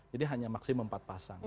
jadi hanya maksimum empat pasang